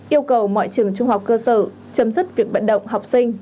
yêu cầu mọi trường trung học cơ sở chấm dứt việc vận động học sinh